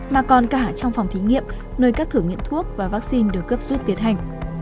mà còn cả trong phòng thí nghiệm nơi các thử nghiệm thuốc và vaccine được cấp suất tiệt hành